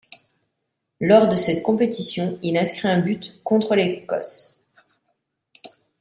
Lors de cette compétition, il inscrit un but contre l'Écosse.